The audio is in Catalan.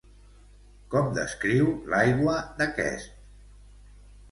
Com descriu l'aigua d'aquest?